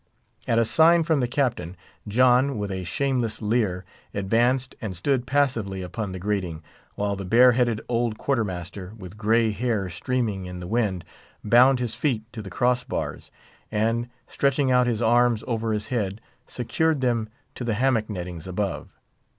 At a sign from the Captain, John, with a shameless leer, advanced, and stood passively upon the grating, while the bare headed old quarter master, with grey hair streaming in the wind, bound his feet to the cross bars, and, stretching out his arms over his head, secured them to the hammock nettings above.